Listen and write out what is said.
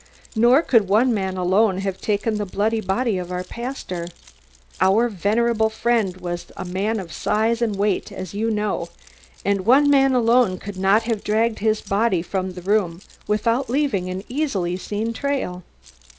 Nor could one man alone have taken away the bloody body of the pastor. Our venerable friend was a man of size and weight, as you know, and one man alone could not have dragged his body from the room without leaving an easily seen trail."